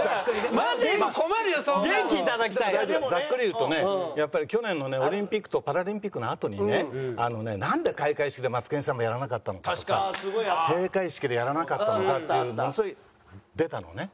ざっくり言うとねやっぱり去年のねオリンピックとパラリンピックのあとにねなんで開会式で『マツケンサンバ』やらなかったのかとか閉会式でやらなかったのかっていうものすごい出たのね。